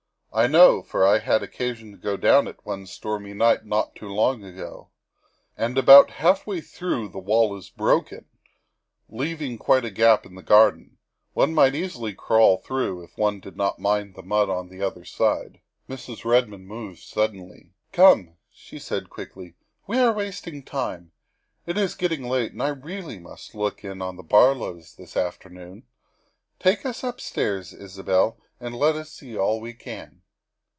" I know, for I had occasion to go down it one stormy night not long ago. And about half way through the wall is broken, leaving quite a gap into the garden. One might easily crawl through if one did not mind the mud on the other side." Mrs. Redmond moved suddenly. " Come," she said quickly, " we are wasting time. It is getting late and I really must look in at the Bar lows this afternoon. Take us upstairs, Isabel, and let us see all we can."